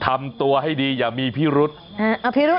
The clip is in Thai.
หมอกิตติวัตรว่ายังไงบ้างมาเป็นผู้ทานที่นี่แล้วอยากรู้สึกยังไงบ้าง